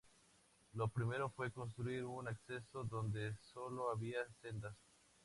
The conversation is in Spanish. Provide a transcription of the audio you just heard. Lo primero fue construir un acceso donde sólo había sendas.